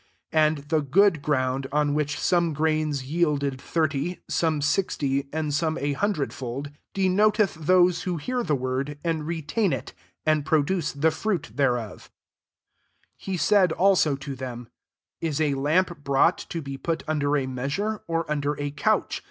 ^20 And the good ground on which some grains yielded thirty, some six ty, and some a hundred /old, denoted those who hear the word, and retain it, and produce the fruit thereof 21 He said ako to them, " Is a lamp brought to be put under a measure, or un der a couch